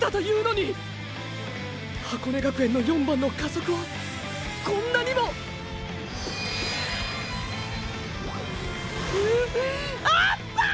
箱根学園の“４番”の加速はこんなにもーーあっぱァァァ！！